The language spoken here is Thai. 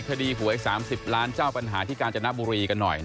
หวย๓๐ล้านเจ้าปัญหาที่กาญจนบุรีกันหน่อย